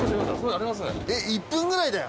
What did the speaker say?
１分ぐらいだよ。